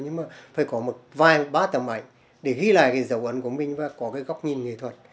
nhưng mà phải có một vài ba tầm ảnh để ghi lại cái dấu ấn của mình và có cái góc nhìn nghệ thuật